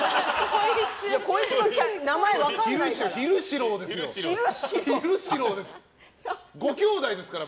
こいつの名前分かんないから。